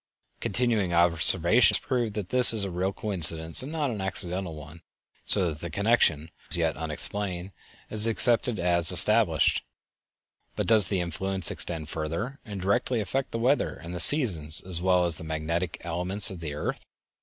Continued observation has proved that this is a real coincidence and not an accidental one, so that the connection, although as yet unexplained, is accepted as established. But does the influence extend further, and directly affect the weather and the seasons as well as the magnetic elements of the earth?